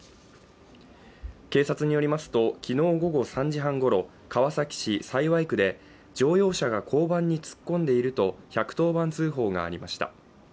警察によりますと昨日午後３時半ごろ、川崎市幸区で乗用車が交番に突っ込んでいると１１０番通報がありました。